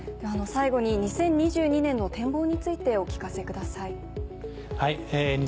最後に２０２２年の展望についてお聞かせください。